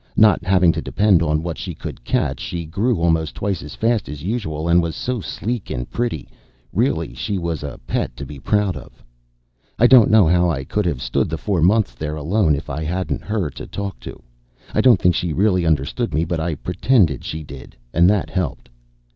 Not having to depend on what she could catch, she grew almost twice as fast as usual, and was so sleek and pretty. Really, she was a pet to be proud of. I don't know how I could have stood the four months there alone, if I hadn't her to talk to. I don't think she really understood me, but I pretended she did, and that helped.